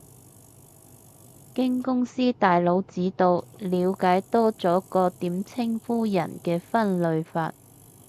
經公司大佬指導，了解多咗個點稱呼人嘅分類法